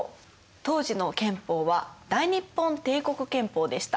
当時の憲法は大日本帝国憲法でした。